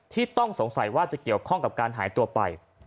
ต้องสงสัยว่าจะเกี่ยวข้องกับการหายตัวไป